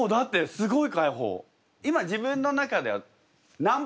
すごい。